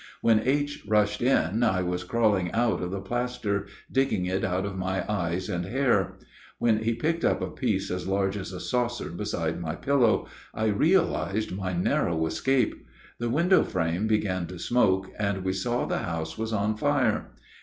When H. rushed in I was crawling out of the plaster, digging it out of my eyes and hair. When he picked up a piece as large as a saucer beside my pillow, I realized my narrow escape. The windowframe began to smoke, and we saw the house was on fire.